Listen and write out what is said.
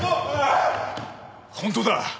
本当だ！